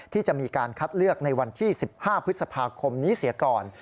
ที่จะมีการคัดเลือกในวันที่๑๕พฤษภาคมนี้เสียก่อน